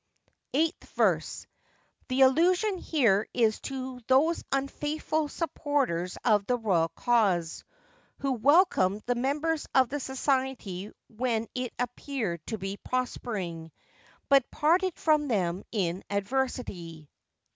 Eighth Verse.—The allusion here is to those unfaithful supporters of the Royal cause, who 'welcomed' the members of the Society when it appeared to be prospering, but 'parted' from them in adversity.